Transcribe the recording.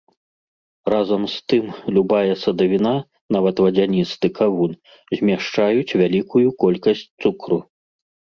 Разам з тым, любая садавіна, нават вадзяністы кавун, змяшчаюць вялікую колькасць цукру.